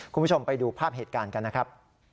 คุณผู้ชมไปดูภาพเหตุการณ์กันนะครับ